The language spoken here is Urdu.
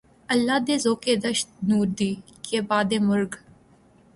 اللہ رے ذوقِ دشت نوردی! کہ بعدِ مرگ